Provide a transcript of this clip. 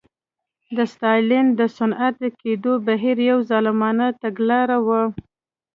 د ستالین د صنعتي کېدو بهیر یوه ظالمانه تګلاره وه